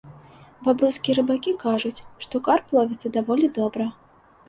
Бабруйскія рыбакі кажуць, што карп ловіцца даволі добра.